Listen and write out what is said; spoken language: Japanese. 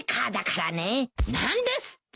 何ですって？